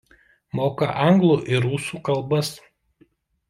Moka anglų ir rusų kalbas.